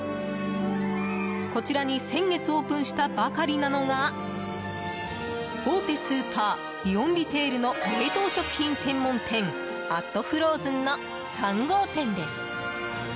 こちらに先月オープンしたばかりなのが大手スーパー、イオンリテールの冷凍食品専門店＠ＦＲＯＺＥＮの３号店です。